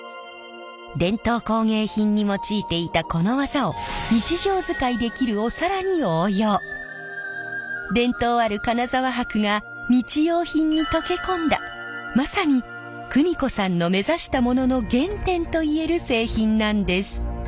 伝統工芸品に用いていたこの技を伝統ある金沢箔が日用品にとけ込んだまさに邦子さんの目指したものの原点といえる製品なんです。